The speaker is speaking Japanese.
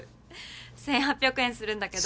１，８００円するんだけど。